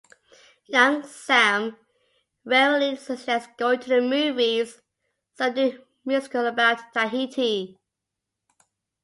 Young Sam wearily suggests going to the movies - some new musical about Tahiti.